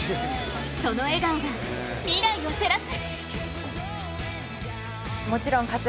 その笑顔が未来を照らす！